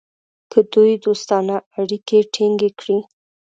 که دوی دوستانه اړیکې ټینګ کړي.